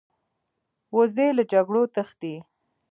وزې له جګړو تښتي